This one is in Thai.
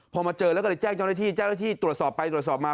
พอมาเจอแล้วก็เลยแจ้งจ้องได้ที่ตรวจสอบไปตรวจสอบมา